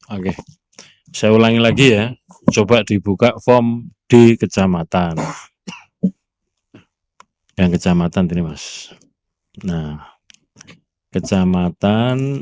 oke saya ulangi lagi ya coba dibuka form di kecamatan yang kecamatan ini mas nah kecamatan